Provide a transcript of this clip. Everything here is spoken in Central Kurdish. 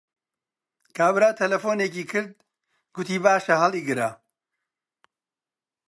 کابرا تەلەفۆنێکی کرد، گوتی باشە هەڵیگرە